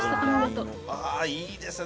ああいいですね。